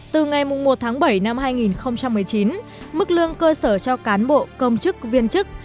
từ ngày một tháng bảy năm hai nghìn một mươi chín mức lương cơ sở cho cán bộ công chức viên chức